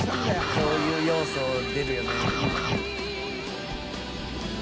こういう要素出るよね。